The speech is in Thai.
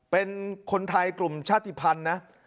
เป็นคนไทยกลุ่มชาติภัณฑ์นะ